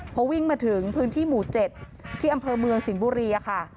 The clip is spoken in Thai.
พอวิ่งมาถึงพื้นที่หมู่๗ที่อำเภอเมืองสิงห์บุรีค่ะ